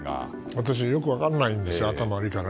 私よく分からないので頭悪いから。